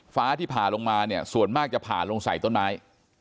ฟ้าที่ผ่าลงมาเนี่ยส่วนมากจะผ่าลงใส่ต้นไม้